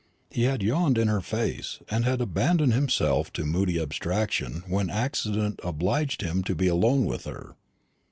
He had yawned in her face, and had abandoned himself to moody abstraction when accident obliged him to be alone with her.